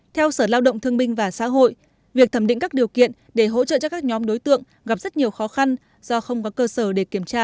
theo sở lao động thương minh và xã hội việc thẩm định các điều kiện để hỗ trợ cho các nhóm đối tượng gặp rất nhiều khó khăn do không có cơ sở để kiểm tra